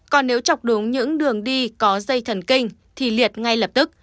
còn nếu chọc đúng những đường đi có dây thần kinh thì liệt ngay lập tức